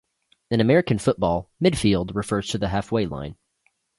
In American football, "midfield" refers to the halfway line.